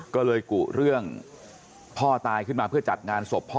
ก็เลยกุเรื่องพ่อตายขึ้นมาเพื่อจัดงานศพพ่อ